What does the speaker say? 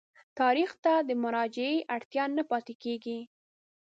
تاریخ ته د مراجعې اړتیا نه پاتېږي.